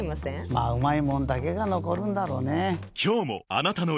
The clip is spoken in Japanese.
まぁうまいもんだけが残るんだろうねぇ。